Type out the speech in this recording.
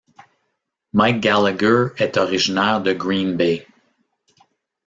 Mike Gallagher est originaire de Green Bay.